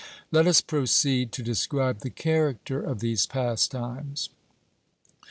Let us proceed to describe the character of these pastimes.